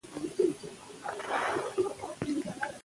د افغانستان نوم له تاریخه راوتلي ده.